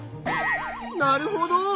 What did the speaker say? なるほど。